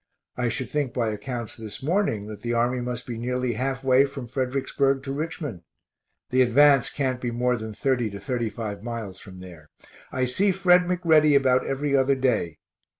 I should think by accounts this morning that the army must be nearly half way from Fredericksburg to Richmond. The advance can't be more than 30 to 35 miles from there. I see Fred McReady about every other day.